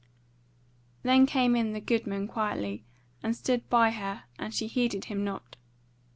Then came in the goodman quietly and stood by her and she heeded him not.